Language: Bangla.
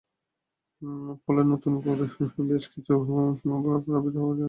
ফলে নতুন করে আরও বেশ কিছু গ্রাম প্লাবিত হওয়ার আশঙ্কা রয়েছে।